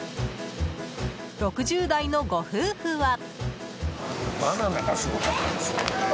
６０代のご夫婦は。